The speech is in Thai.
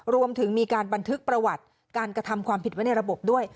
รวมถึงมีการบันทึกประวัติการกระทำความผิดไว้ในระบบด้วย